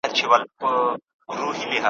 یو څه به پند وي یو څه عبرت دی ,